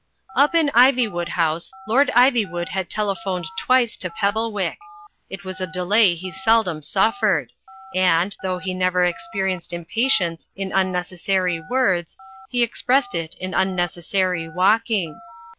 Up in Ivywood House Lord Ivywood had telephoned twice to Pebblewick. It was a delay he seldom suf fered; and, though he never expressed impatience in imnecessary words he expressed it in unnecessary walking.